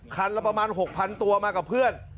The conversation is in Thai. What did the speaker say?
ละประมาณ๖๐๐๐ตัวมากับเพื่อน